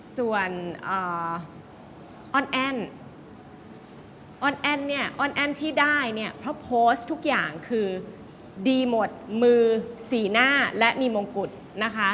ส่วนอ้อนแอ้นอ้อนแอ้นเนี่ยอ้อนแอ้นที่ได้เนี่ยเพราะโพสต์ทุกอย่างคือดีหมดมือสีหน้าและมีมงกุฎนะคะ